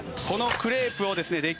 このクレープをですね